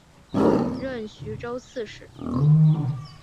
任徐州刺史。